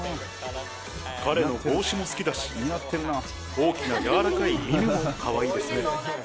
彼の帽子も好きだし、大きな柔らかい耳もかわいいですね。